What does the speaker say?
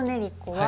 はい。